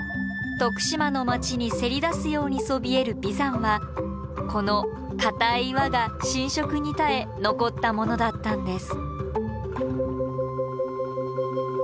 徳島の街にせり出すようにそびえる眉山はこの硬い岩が浸食に耐え残ったものだったんです。